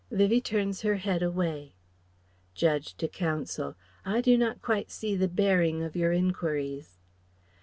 (Vivie turns her head away.) Judge, to Counsel: "I do not quite see the bearing of your enquiries."